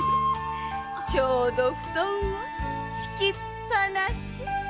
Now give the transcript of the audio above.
ちょうど布団が敷きっぱなし。